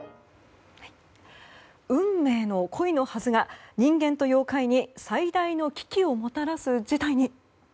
運命の恋のはずが人間と妖怪に最大の危機をもたらす事態に。